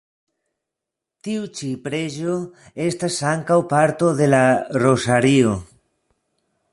Tiu ĉi preĝo estas ankaŭ parto de la rozario.